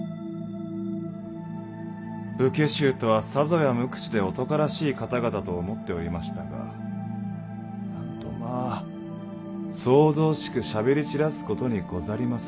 武家衆とはさぞや無口で男らしい方々と思っておりましたがなんとまぁ騒々しくしゃべり散らすことにござりまするな。